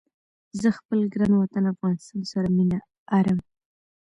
زه خپل ګران وطن افغانستان سره مينه ارم